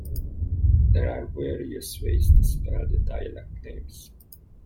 There are various ways to spell the dialect names.